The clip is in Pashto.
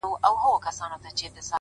مثبت فکر د ارام ژوند ملګری دی.!